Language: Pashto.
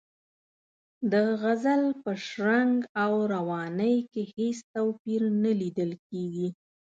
د غزل په شرنګ او روانۍ کې هېڅ توپیر نه لیدل کیږي.